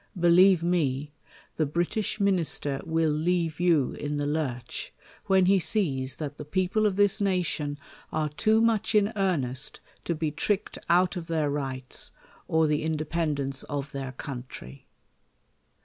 Believe me, the British Minister will leave you in the lurch, when he sees that the people of this nation are too much in earnest to be tricked out of their rights, or the independence of their country.